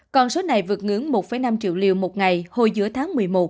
còn số này vượt ngưỡng một năm triệu liều một ngày hồi giữa tháng một mươi một